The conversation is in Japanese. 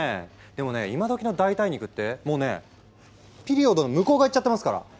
でもね今どきの代替肉ってもうねピリオドの向こう側いっちゃってますから！